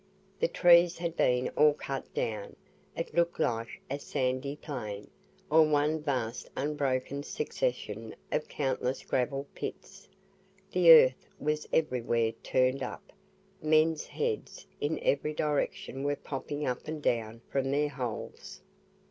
The trees had been all cut down; it looked like a sandy plain, or one vast unbroken succession of countless gravel pits the earth was everywhere turned up men's heads in every direction were popping up and down from their holes.